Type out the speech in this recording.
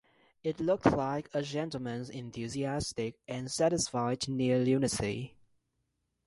It looked like a gentleman's enthusiastic and satisfied near-lunacy.